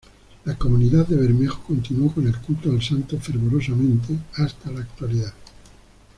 La comunidad de Bermejo continuó con el culto al santo fervorosamente hasta la actualidad.